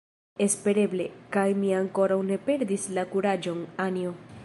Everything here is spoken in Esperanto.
Espereble; kaj mi ankoraŭ ne perdis la kuraĝon, Anjo.